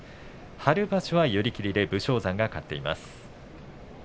春場所は寄り切りで武将山が勝っています。